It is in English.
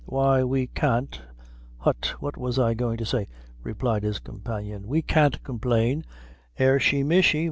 "Why we can't hut, what was I goin' to say?" replied his companion; "we can't complain ershi mishi!